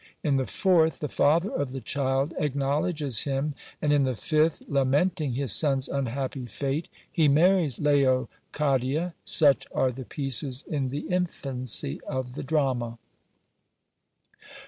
In the fourth, the father of the child acknowledges him; and in the fifth, lamenting his son's unhappy fate, he marries Leocadia. Such are the pieces in the infancy of the drama.